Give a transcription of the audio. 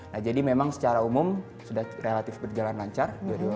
nah jadi memang secara umum sudah relatif berjalan lancar dua ribu delapan belas